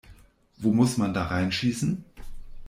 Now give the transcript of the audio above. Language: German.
Wo muss man da reinschießen?